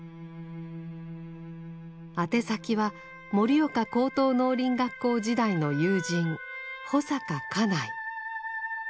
宛先は盛岡高等農林学校時代の友人保阪嘉内。